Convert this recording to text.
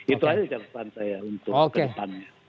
itu aja jawaban saya untuk ke depannya